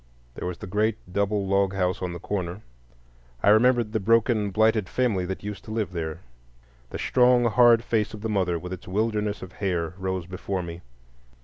There was the great double log house on the corner. I remembered the broken, blighted family that used to live there. The strong, hard face of the mother, with its wilderness of hair, rose before me.